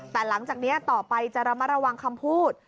แต่หลังจากนี้ต่อไปจะระมัดระวังคำพูด